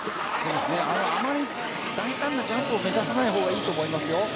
大胆なジャンプを目指さないほうがいいと思いますよ。